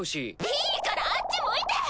いいからあっち向いて！